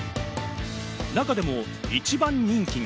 中でも一番人気が。